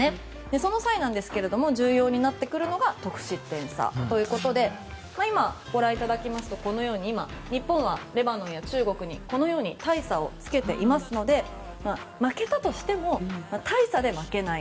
その際、重要になってくるのが得失点差ということで今はこのように日本はレバノンや中国にこのように大差をつけていますので負けたとしても大差で負けない。